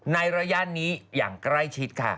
ระยะนี้อย่างใกล้ชิดค่ะ